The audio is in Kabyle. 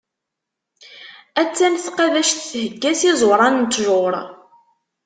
A-tt-an tqabact thegga s iẓuran n ṭṭjuṛ.